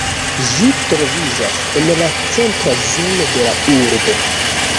Ĝi troviĝas en la centra zono de la urbo.